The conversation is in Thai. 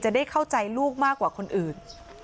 ได้เข้าใจลูกมากกว่าคนอื่น